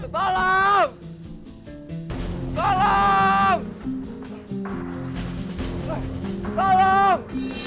saya voidin dengan baik